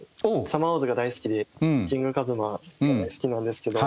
「サマーウォーズ」が大好きでキングカズマ好きなんですけど。